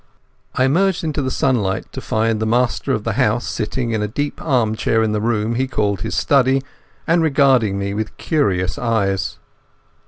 I emerged into the sunlight to find the master of the house sitting in a deep armchair in the room he called his study, and regarding me with curious eyes.